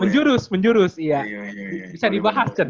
menjurus menjurus iya bisa dibahas